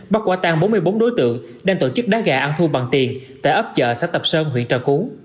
bắt qua tàn bốn mươi bốn đối tượng đang tổ chức đá gà ăn thu bằng tiền tại ấp chợ sát tập sơn huyện trà cứu